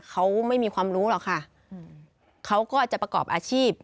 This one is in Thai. เขาไม่มีความรู้หรอกค่ะเขาก็จะประกอบอาชีพ